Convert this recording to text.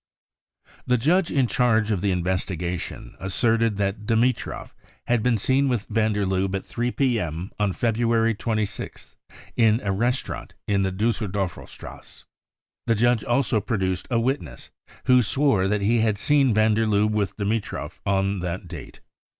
The judge in charge of the investigation asserted that Dimitrov had been seen with van der Lubbe at 3 p.m. on February 26th in a restaurant in the Dusseldorferstrasse. The judge also produced a witness, who swore that he had seen van der Lubbe with Dimitrov on that date.